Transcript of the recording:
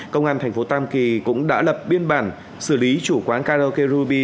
công an tp tam kỳ cũng đã lập biên bản xử lý chủ quán karaoke ruby